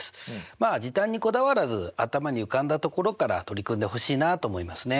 まあ時短にこだわらず頭に浮かんだところから取り組んでほしいなと思いますね。